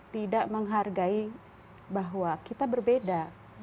tidak menghargai bahwa kita berbeda